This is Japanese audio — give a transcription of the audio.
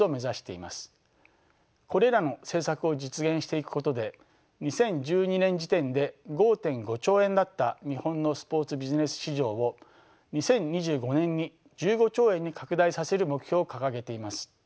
これらの政策を実現していくことで２０１２年時点で５．５兆円だった日本のスポーツビジネス市場を２０２５年に１５兆円に拡大させる目標を掲げています。